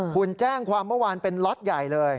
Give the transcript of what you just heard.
คุณแจ้งความเมื่อวานเป็นล็อตใหญ่เลย